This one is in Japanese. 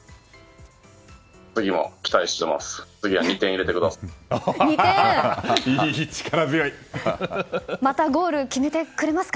次も期待しています。